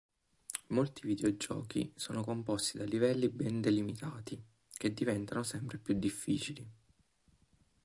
Molti videogiochi sono composti da livelli ben delimitati, che diventano sempre più difficili.